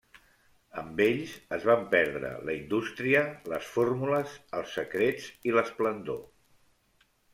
Amb ells es van perdre la indústria, les fórmules, els secrets i l'esplendor.